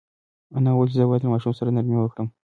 انا وویل چې زه باید له ماشوم سره نرمي وکړم.